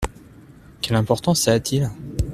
Quelle importance ça a-t-il ?